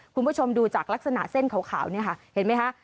คุณผู้ชมดูจากลักษณะเส้นขาวเนี่ยค่ะเห็นไหมคะ